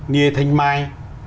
nghê thanh mai